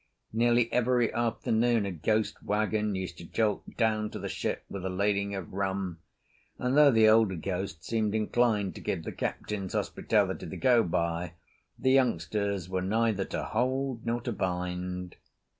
Nearly every afternoon a ghost wagon used to jolt down to the ship with a lading of rum, and though the older ghosts seemed inclined to give the Captain's hospitality the go by, the youngsters were neither to hold nor to bind.